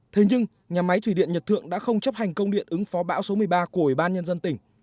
thế nhưng nhà máy thủy điện nhật thượng đã không chấp hành công điện ứng phó bão số một mươi ba của ủy ban nhân dân tỉnh